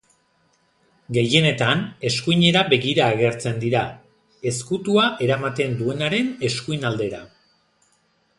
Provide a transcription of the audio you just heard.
Gehienetan eskuinera begira agertzen dira, ezkutua eramaten duenaren eskuin aldera.